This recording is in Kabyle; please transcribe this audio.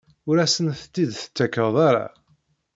Ur asent-tt-id-tettakeḍ ara?